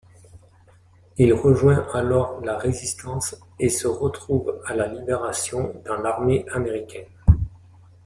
Il rejoint alors la Résistance et se retrouve, à la Libération, dans l'armée américaine.